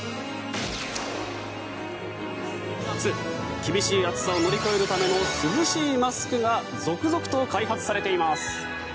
厳しい暑さを乗り越えるための涼しいマスクが続々と開発されています。